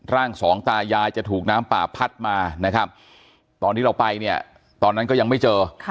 ร่างสองตายายจะถูกน้ำป่าพัดมานะครับตอนที่เราไปเนี่ยตอนนั้นก็ยังไม่เจอ